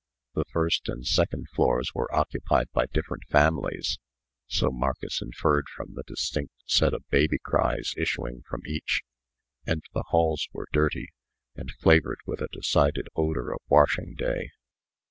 The first and second floors were occupied by different families (so Marcus inferred from the distinct set of baby cries issuing from each), and the halls were dirty, and flavored with a decided odor of washing day.